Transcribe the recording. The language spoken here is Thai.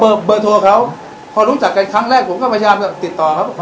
เบอร์เบอร์โทรเขาพอรู้จักกันครั้งแรกผมก็พยายามจะติดต่อครับ